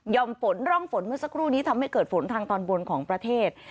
ฝนร่องฝนเมื่อสักครู่นี้ทำให้เกิดฝนทางตอนบนของประเทศ